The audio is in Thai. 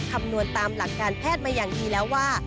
คำนวณตามหลักการแพทย์มาอย่างดีแล้วว่า